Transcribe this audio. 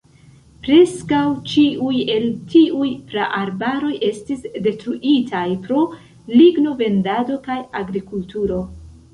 Preskaŭ ĉiuj el tiuj praarbaroj estis detruitaj pro ligno-vendado kaj agrikulturo.